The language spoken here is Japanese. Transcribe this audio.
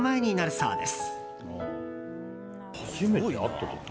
そうです。